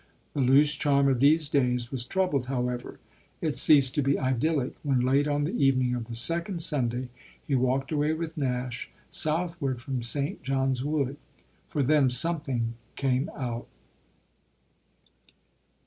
The loose charm of these days was troubled, however it ceased to be idyllic when late on the evening of the second Sunday he walked away with Nash southward from Saint John's Wood. For then something came out.